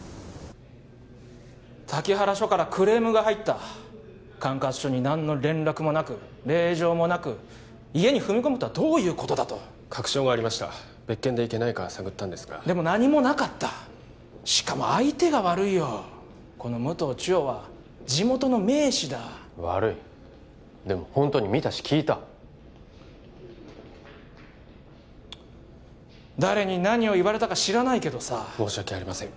滝原署からクレームが入った管轄署に何の連絡もなく令状もなく家に踏み込むとはどういうことだ？と確証がありました別件でいけないか探ったんですがでも何もなかったしかも相手が悪いよこの武藤千代は地元の名士だ悪いでもホントに見たし聞いた誰に何を言われたか知らないけどさ申し訳ありません